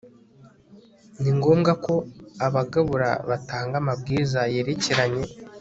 ni ngombwa ko abagabura batanga amabwiriza yerekeranye